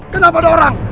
kenapa ada orang